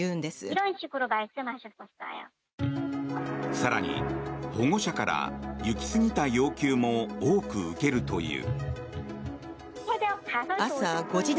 更に保護者から行き過ぎた要求も多く受けるという。